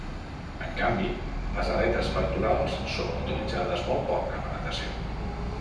En canvi, les aletes pectorals són utilitzades molt poc en la natació.